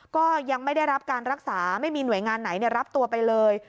ก็ยังไม่ได้รับการรักษาไม่มีหน่วยงานไหนรับตัวไปเลย